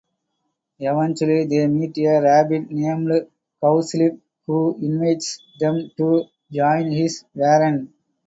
Eventually they meet a rabbit named Cowslip, who invites them to join his warren.